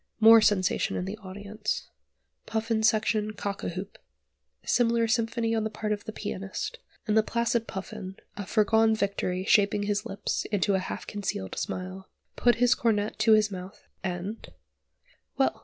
More sensation in the audience. Puffin section cock a hoop. Similar symphony on the part of the pianist, and the placid Puffin, a foregone victory shaping his lips into a half concealed smile, put his cornet to his mouth, and Well!